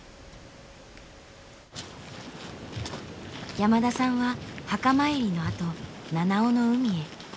山田さんは墓参りのあと七尾の海へ。